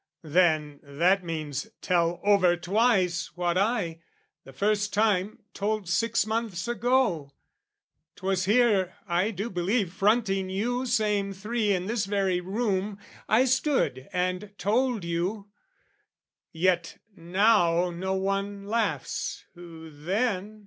Then that means Tell over twice what I, the first time, told Six months ago: 'twas here, I do believe, Fronting you same three in this very room, I stood and told you: yet now no one laughs, Who then...